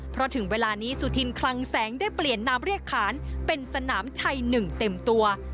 เพราะถึงเวลานี้สุธินคลังแสงได้เปลี่ยนนามเรียกขานเป็นสนามชัยหนึ่งเต็มตัว